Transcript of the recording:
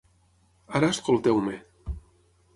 Ara escolteu-me.